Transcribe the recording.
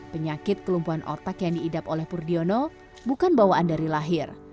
penyakit kelumpuhan otak yang diidap oleh purdiono bukan bawaan dari lahir